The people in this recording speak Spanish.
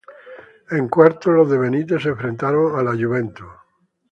En cuartos los de Benítez se enfrentaron a la Juventus.